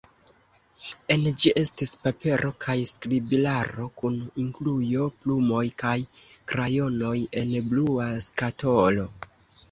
En ĝi estis papero kaj skribilaro kun inkujo, plumoj kaj krajonoj en blua skatolo.